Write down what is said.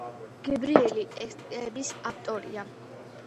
გებრიელი ტექსტების ავტორია.